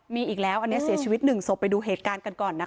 มีอีกแล้วอันนี้เสียชีวิตหนึ่งศพไปดูเหตุการณ์กันก่อนนะคะ